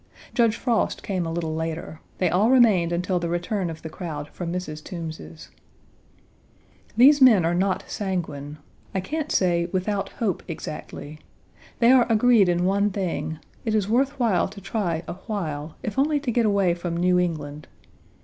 Judge Frost came a little later. They all remained until the return of the crowd from Mrs. Toombs's. These men are not sanguine I can't say, without hope, exactly. They are agreed in one thing: it is worth while to try a while, if only to get away from New England.